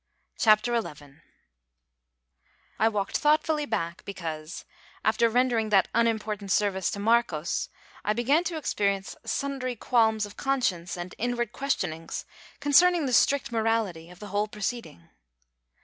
CHAPTER XI I walked thoughtfully back, because, after rendering that unimportant service to Marcos, I began to experience sundry qualms of conscience and inward questionings concerning the strict morality of the whole proceeding.